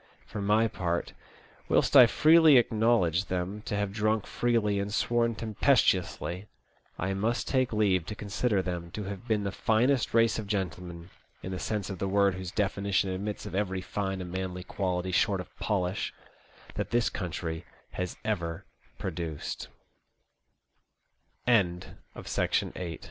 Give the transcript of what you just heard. For my part, whilst I freely acknowledge them to have drunk freely and sworn tempestuously, I must take leave to consider them to have been the finest race of gentlemen, in the sense of the word whose definition admits of every fine and manly quality short of polish, that this country has